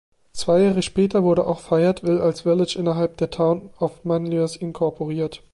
Zwei Jahre später wurde auch Fayetteville als Village innerhalb der Town of Manlius inkorporiert.